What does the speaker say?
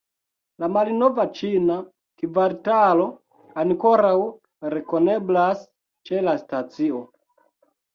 La malnova ĉina kvartalo ankoraŭ rekoneblas ĉe la stacio.